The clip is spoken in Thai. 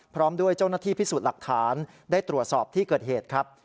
พร้อมด้วยเจ้าหน้าที่พิสูจน์หลักฐานได้ตรวจสอบที่เกิดเหตุครับ